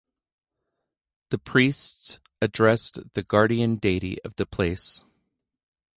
The priests addressed the guardian deity of the place.